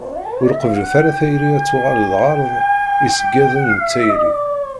Ur qebblet ara tayri ad tuɣal d lɣerḍ i yiṣeggaden n tayri.